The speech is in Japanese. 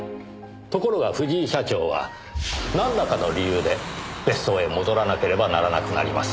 ところが藤井社長はなんらかの理由で別荘へ戻らなければならなくなります。